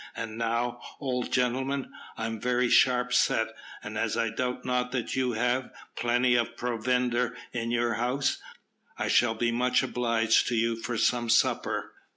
"And now, old gentleman, I'm very sharp set, and as I doubt not that you have, plenty of provender in your house, I shall be much obliged to you for some supper."